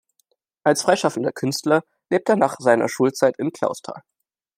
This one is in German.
Als freischaffender Künstler lebt er nach seiner Schulzeit in Clausthal.